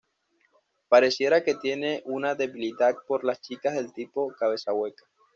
Pareciera que tiene una debilidad por las chicas del tipo ""cabeza hueca"".